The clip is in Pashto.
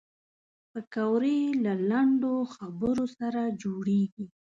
پکورې له لنډو خبرو سره جوړېږي